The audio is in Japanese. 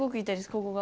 ここが。